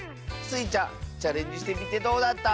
スイちゃんチャレンジしてみてどうだった？